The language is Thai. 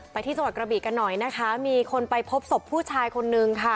ที่จังหวัดกระบีกันหน่อยนะคะมีคนไปพบศพผู้ชายคนนึงค่ะ